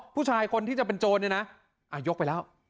ผู้ชายคนที่จะเป็นโจรเนี่ยนะยกไปแล้ว